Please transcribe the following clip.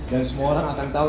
dan semua orang akan tahu